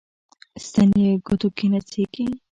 ستن یې ګوتو کې نڅیږي